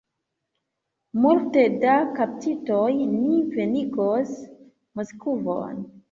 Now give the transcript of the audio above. Multe da kaptitoj ni venigos Moskvon!